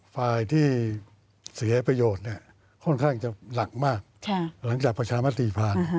ฝ่ายที่เสียประโยชน์ค่อนข้างจะหนักมากหลังจากประชามติผ่าน